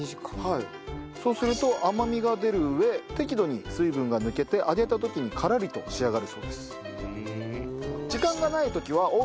そうすると甘みが出る上適度に水分が抜けて揚げた時にカラリと仕上がるそうです。